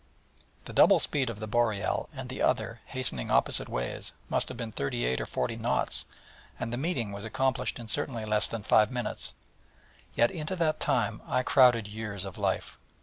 The double speed of the Boreal and the other, hastening opposite ways, must have been thirty eight or forty knots, and the meeting was accomplished in certainly less than five minutes: yet into that time I crowded years of life.